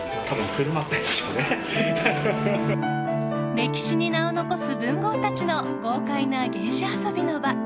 歴史に名を残す文豪たちの豪快な芸者遊びの場。